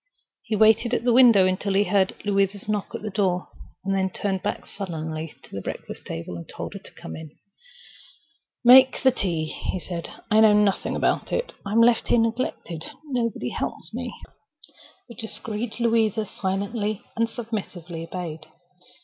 He waited at the window until he heard Louisa's knock at the door, then turned back sullenly to the breakfast table and told her to come in. "Make the tea," he said. "I know nothing about it. I'm left here neglected. Nobody helps me." The discreet Louisa silently and submissively obeyed.